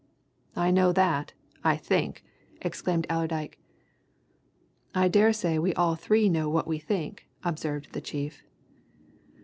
"I know that, I think!" exclaimed Allerdyke. "I daresay we all three know what we think," observed the chief.